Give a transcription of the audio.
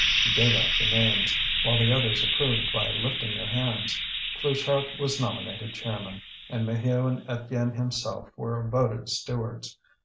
He gave out the names, while the others approved by lifting their hands. Pluchart was nominated chairman, and Maheu and Étienne himself were voted stewards.